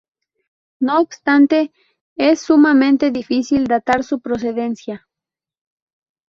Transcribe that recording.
No obstante, es sumamente difícil datar su procedencia.